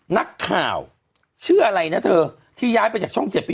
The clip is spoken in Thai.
นักข่าวชื่ออะไรนะเธอที่ย้ายไปจากช่อง๗ปี